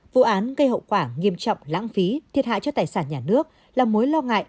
vụ án gây hậu quả nghiêm trọng lãng phí thiệt hại cho tài sản nhà nước là mối lo ngại